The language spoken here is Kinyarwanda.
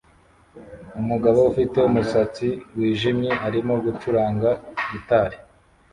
Umugabo ufite umusatsi wijimye arimo gucuranga gitari